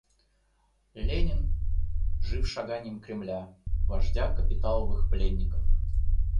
Ленин — жив шаганьем Кремля — вождя капиталовых пленников.